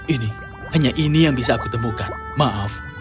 ini hanya ini yang bisa aku temukan maaf